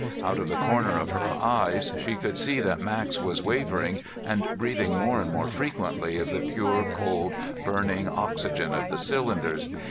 Out of the corner of her eyes she could see that Max was wavering and breathing more and more frequently of the pure, cold, burning oxygen of the cylinders.